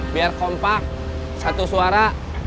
biar kompak satu suara